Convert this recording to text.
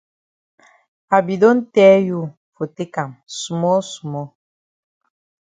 I be don tell you for take am small small.